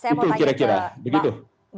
itu kira kira begitu